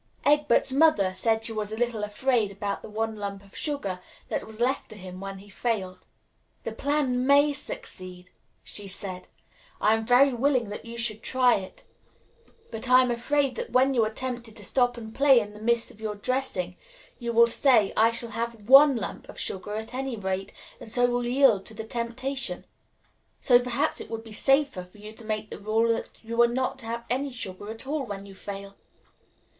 Egbert's mother said she was a little afraid about the one lump of sugar that was left to him when he failed. "The plan may succeed," she said; "I am very willing that you should try it; but I am afraid that when you are tempted to stop and play in the midst of your dressing, you will say, I shall have one lump of sugar, at any rate, and so will yield to the temptation. So perhaps it would be safer for you to make the rule that you are not to have any sugar at all when you fail.